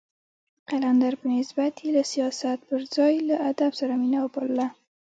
د قلندر په نسبت يې له سياست پر ځای له ادب سره مينه وپالله.